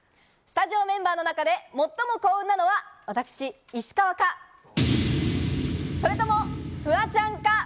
スタジオメンバーの中で最も幸運なのは、私、石川か、それともフワちゃんか？